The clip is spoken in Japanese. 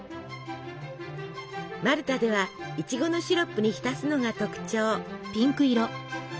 マルタではイチゴのシロップに浸すのが特徴。